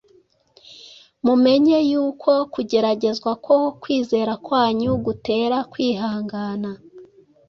mumenye yuko kugeragezwa ko kwizera kwanyu gutera kwihangana".